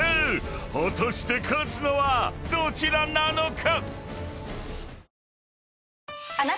［果たして勝つのはどちらなのか⁉］